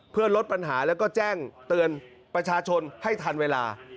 เพื่อลดปัญหาแล้วก็แจ้งเตือนประชาชนให้ทันเวลา